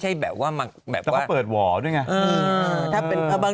แต่เขาเปิดหว่อด้วยไง